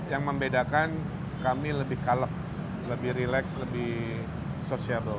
yang membedakan kami lebih kaleb lebih relax lebih sociable